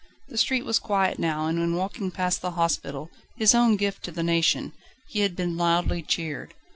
The street was quiet now, and when walking past the hospital his own gift to the Nation he had been loudly cheered.